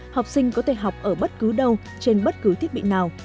học sinh có thể học ở bất cứ đâu trên bất cứ thiết bị nào